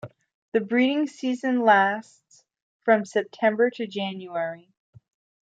The breeding season lasts from September to January.